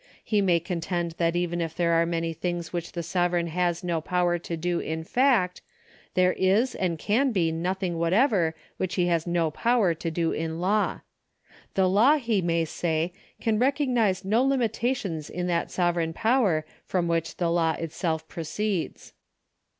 He may contend that even if there aro many things which the sovereign has no power to do in fact, there is and can be nothing whatever which he has no power to do in law. The law, he may say, can recognise no limitations in that sovereign jiower from which the law itself proceeds.